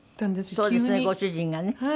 そうですねご主人がね。